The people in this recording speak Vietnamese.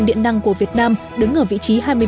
điện năng của việt nam đứng ở vị trí hai mươi năm